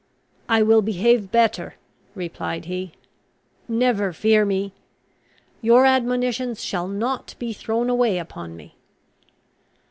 "I will behave better," replied he. "Never fear me! Your admonitions shall not be thrown away upon me."